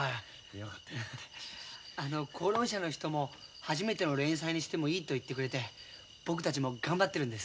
あの講論社の人も初めての連載にしてもいいと言ってくれて僕たちも頑張ってるんです。